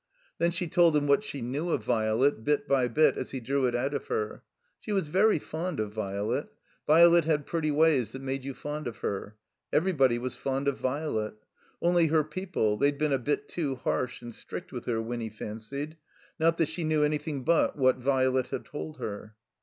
Then she told him what she knew of Violet, bit by bit, as he drew it out of her. She was very fond of Violet. Violet had pretty ways that made you fond of her. Everybody was fond of Violet. Only her people — ^they'd been a bit too harsh and strict with her, Winny fancied. Not that she knew anything but what Violet had told her.